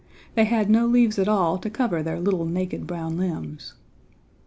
They had no leaves at all to cover their little naked brown limbs.